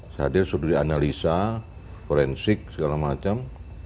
saya hadir sudah dianalisa forensik segala macam